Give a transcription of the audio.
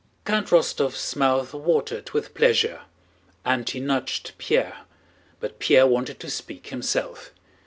Count Rostóv's mouth watered with pleasure and he nudged Pierre, but Pierre wanted to speak himself.